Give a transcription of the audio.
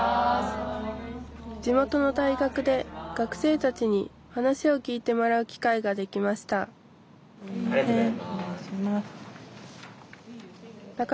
地元の大学で学生たちに話を聞いてもらう機会ができましたありがとうございます。